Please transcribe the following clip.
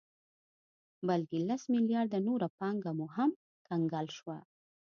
بلکې لس مليارده نوره پانګه مو هم کنګل شوه